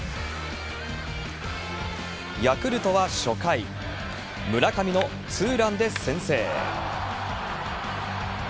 ヤクルトは初回、村上のツーランで先制。